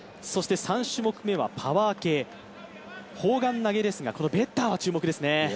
３種目めはパワー系、砲丸投ですが、ベッターは注目ですね。